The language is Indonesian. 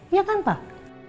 iya kan pak